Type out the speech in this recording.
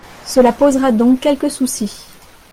Cela posera donc quelques soucis.